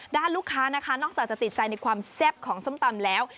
ลูกค้านะคะนอกจากจะติดใจในความแซ่บของส้มตำแล้ว